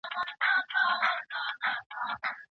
د ټوکي کوونکي د طلاق لفظ مقصد وي.